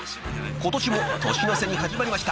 ［今年も年の瀬に始まりました］